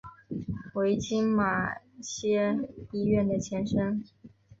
为今马偕医院的前身。